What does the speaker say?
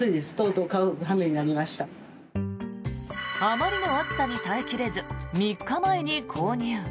あまりの暑さに耐え切れず３日前に購入。